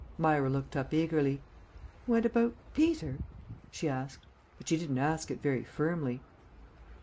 Myra looked up eagerly. "What about Peter?" she asked; but she didn't ask it very firmly.